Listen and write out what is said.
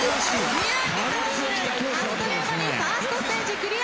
宮城投手あっという間にファーストステージクリア。